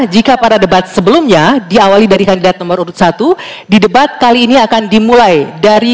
jika pada debat sebelumnya diawali dari kandidat nomor urut satu di debat kali ini akan dimulai dari